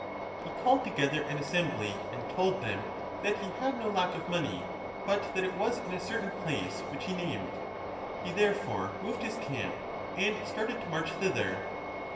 He called together an assembly and told them that he had no lack of money, but 20 that it was in a certain place which he named. He there fore moved his camp and started to march thither.